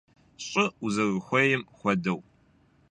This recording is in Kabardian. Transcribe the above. ЩӀы узэрыхуейм хуэдэу!